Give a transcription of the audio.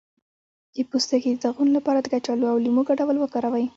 د پوستکي د داغونو لپاره د کچالو او لیمو ګډول وکاروئ